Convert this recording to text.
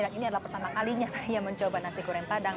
dan ini adalah pertama kalinya saya mencoba nasi goreng padang